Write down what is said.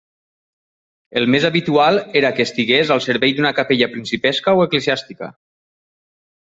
El més habitual era que estigués al servei d'una capella principesca o eclesiàstica.